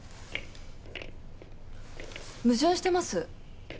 矛盾してます。